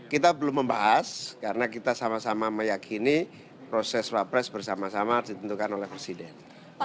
kita belum membahas karena kita sama sama meyakini proses wapres bersama sama ditentukan oleh presiden